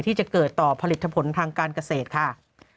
ที่จะเกิดต่อผลิตผลทางการเกษตรค่ะ